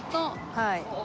はい。